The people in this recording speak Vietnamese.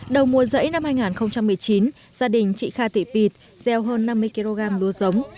đầu mùa rẫy năm hai nghìn một mươi chín gia đình chị kha tị pịt gieo hơn năm mươi kg lúa giống